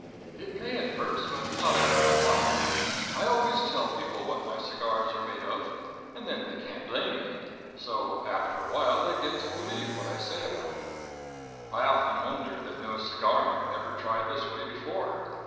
"It may at first, but not after awhile. I always tell people what my cigars are made of, and then they can't blame me; so, after awhile they get to believe what I say about them. I often wonder that no cigar man ever tried this way before.